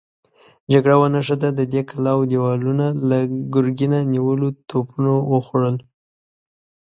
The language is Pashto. جګړه ونښته، د دې کلاوو دېوالونه له ګرګينه نيولو توپونو وخوړل.